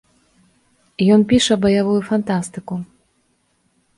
Ён піша баявую фантастыку.